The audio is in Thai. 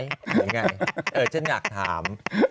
ยังไงฉันอยากถาม